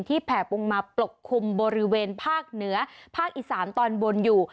แผ่ปรุงมาปกคลุมบริเวณภาคเหนือภาคอีสานตอนบนอยู่